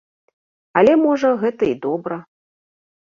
Але, можа, гэта і добра.